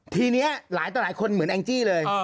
ทีนี้หลายต่อหลายคนเหมือนแองจี้เลย